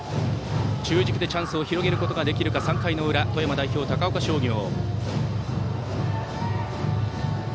中軸でチャンスを広げることができるか３回の裏、富山代表、高岡商業。